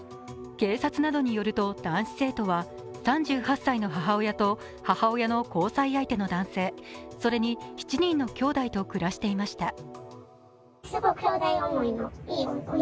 警察などによると男子生徒は３８歳の母親と母親の交際相手の男性、それに７人のきょうだいと暮らしていました。